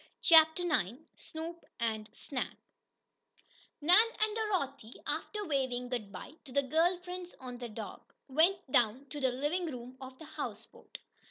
CHAPTER IX SNOOP AND SNAP Nan and Dorothy, after waving good bye to the girl friends on the dock, went down to the living room of the houseboat.